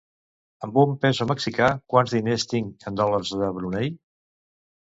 Amb un peso mexicà, quants diners tinc en dòlars de Brunei?